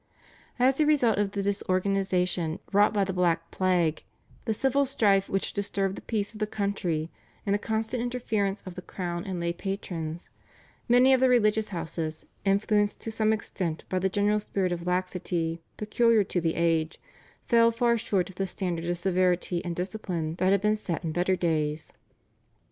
As a result of the disorganisation wrought by the Black Plague, the civil strife which disturbed the peace of the country, and the constant interference of the crown and lay patrons, many of the religious houses, influenced to some extent by the general spirit of laxity peculiar to the age, fell far short of the standard of severity and discipline that had been set in better days.